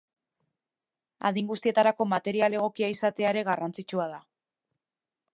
Adin guztietarako material egokia izatea ere garrantzitsua da.